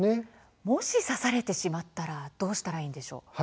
もし刺されてしまったらどうしたらいいでしょうか。